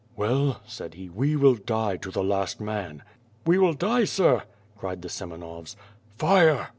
"Well,*' said he, "we will die to the last man." "We will die, sir?" cried the Semenovs. "Fire!"